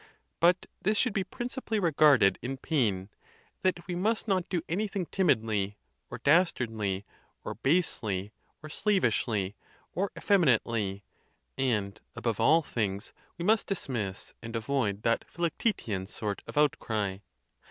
But this should be principally regard ed in pain, that we must not do anything timidly, or das tardly, or basely, or slavishly, or effeminately, and, above all things, we must dismiss and avoid that Philoctetean sort of outcry.